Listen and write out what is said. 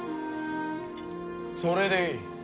それでいい。